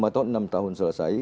lima tahun enam tahun selesai